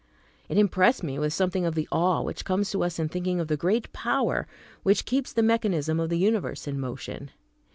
It impressed me with something of the awe which comes to us in thinking of the great Power which keeps the mechanism of the universe in motion.